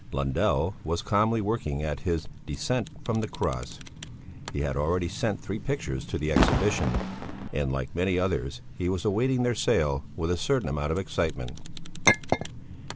Lundell was calmly working at his "Descent from the Cross"; he had already sent three pictures to the Exhibition and, like many others, he was awaiting their sale with a certain amount of excitement.